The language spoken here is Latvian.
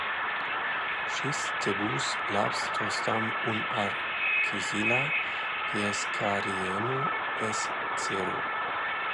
Šis te būs labs tostam un ar kizila pieskārienu, es ceru?